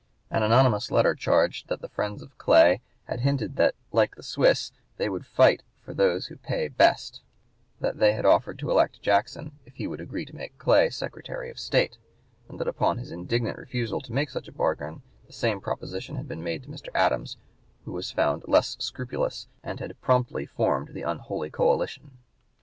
An anonymous letter charged that the friends of Clay had hinted that, "like the Swiss, they would fight for those who pay best;" that they had offered to elect Jackson if he would agree to make Clay Secretary of State, and that upon his indignant refusal to make such a bargain the same proposition had been made to Mr. Adams, who was found less scrupulous and had promptly formed the "unholy coalition."